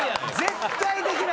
絶対できないよ！